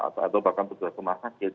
atau bahkan petugas rumah sakit